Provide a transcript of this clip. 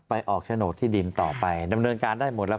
ออกโฉนดที่ดินต่อไปดำเนินการได้หมดแล้ว